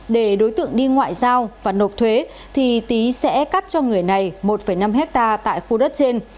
để đối tượng đi ngoại giao và nộp thuế thì tý sẽ cắt cho người này một năm hectare tại khu đất trên